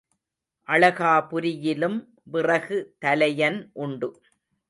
அளகாபுரியிலும் விறகு தலையன் உண்டு.